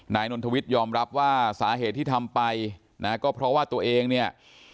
นายนนทวิทย์ยอมรับว่าสาเหตุที่ทำไปนะก็เพราะว่าตัวเองเนี่ย